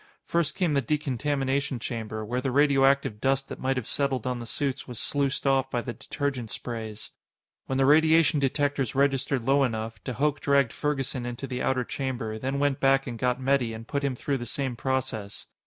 First came the decontamination chamber, where the radioactive dust that might have settled on the suits was sluiced off by the detergent sprays. When the radiation detectors registered low enough, de Hooch dragged Ferguson into the outer chamber, then went back and got Metty and put him through the same process.